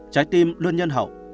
trái tim luôn nhân hậu